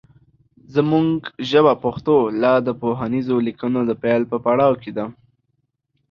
زمونږ ژبه پښتو لا د پوهنیزو لیکنو د پیل په پړاو کې ده